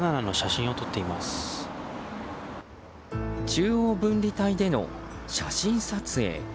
中央分離帯での写真撮影。